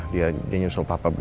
dia nyusul papa begitu aja